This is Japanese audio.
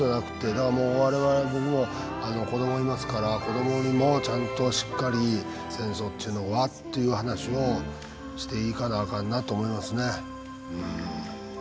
だからもう我々僕も子どもいますから子どもにもちゃんとしっかり戦争っていうのはっていう話をしていかなあかんなと思いますね。